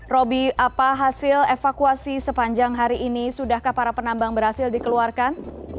roby apa hasil evakuasi sepanjang hari ini sudahkah para penambang berhasil dikeluarkan